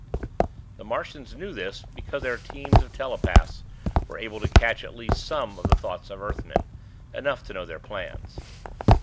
The Martians knew this, because their teams of telepaths were able to catch at least some of the thoughts of Earthmen, enough to know their plans.